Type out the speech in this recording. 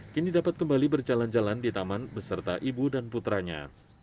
kini dapat kembali berjalan jalan di taman beserta ibu dan putranya